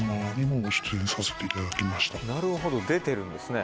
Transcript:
なるほど出てるんですね。